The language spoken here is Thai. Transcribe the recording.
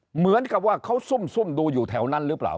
เหมือนกับว่าเขาซุ่มดูอยู่แถวนั้นหรือเปล่า